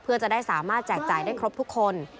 เพื่อจะได้สามารถแจกจ่ายได้ครบทุกคน